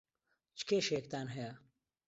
چ کێشەیەکتان هەیە؟